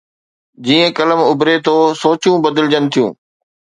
جيئن قلم اڀري ٿو، سوچون بدلجن ٿيون